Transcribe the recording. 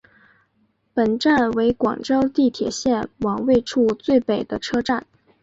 本站为广州地铁线网位处最北的车站。